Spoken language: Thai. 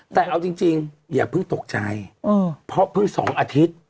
แต่เอาจริงอย่าเพิ่งตกใจเพราะเพิ่ง๒อาทิตย์